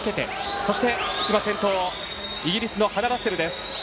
そして、先頭はイギリスのハナ・ラッセル。